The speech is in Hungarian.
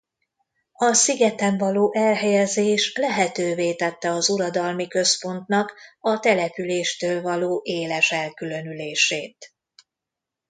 A szigeten való elhelyezés lehetővé tette az uradalmi központnak a településtől való éles elkülönülését.